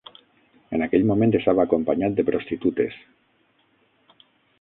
En aquell moment estava acompanyat de prostitutes.